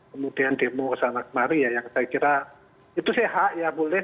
kemudian demo kesana kemari ya yang saya kira itu sehat ya boleh